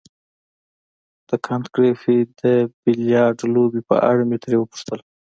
د کانت ګریفي د بیلیارډ لوبې په اړه مې ترې وپوښتل.